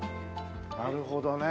なるほどね。